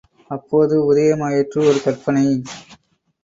அப்போது உதயமாயிற்று ஒரு கற்பனை.